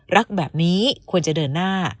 รักแบบนี้ควรจะเดินหน้า